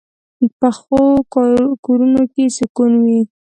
پخو کورونو کې سکون وي